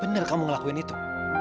bener kamu ngelakuin itu